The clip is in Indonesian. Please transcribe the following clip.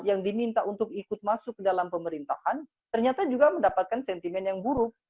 yang diminta untuk ikut masuk dalam pemerintahan ternyata juga mendapatkan sentimen yang buruk